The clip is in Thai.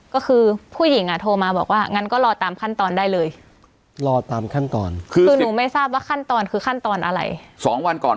ก็คือผู้หญิงอ่ะโทรมาบอกว่างั้นก็รอตามขั้นตอนได้เลยรอตามขั้นตอนคือคือหนูไม่ทราบว่าขั้นตอนคือขั้นตอนอะไรสองวันก่อน